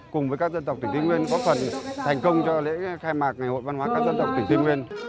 cùng với các dân tộc tỉnh tây nguyên có phần thành công cho lễ khai mạc ngày hội văn hóa các dân tộc tỉnh tây nguyên